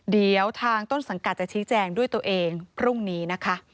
เดี๋ยวทางต้นสังกัดจะชี้แจงด้วยตัวเองพรุ่งนี้นะคะ